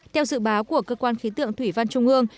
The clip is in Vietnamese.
theo dự báo của cơ quan khí tượng thủy văn trung ương